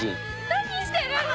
何してるの？